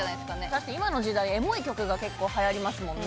確かに今の時代エモい曲が結構はやりますもんね。